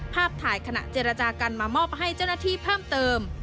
ภาพถ่ายขณะเจรจากันมามอบให้เจ้าหน้าที่เพิ่มเติม